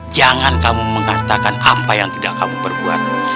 jangan kamu mengatakan apa yang tidak kamu perbuat